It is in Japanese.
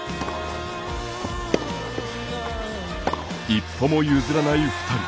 一歩も譲らない２人。